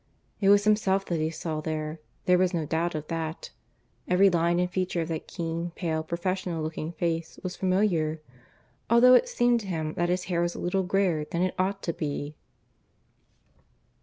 It was himself that he saw there there was no doubt of that every line and feature of that keen, pale, professorial looking face was familiar, though it seemed to him that his hair was a little greyer than it ought to be.